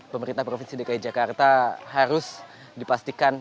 pemerintah provinsi dki jakarta harus dipastikan